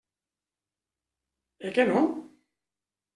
Eh que no?